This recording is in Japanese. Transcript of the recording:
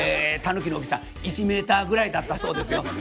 たぬきの大きさ１メーターぐらいだったそうですよ。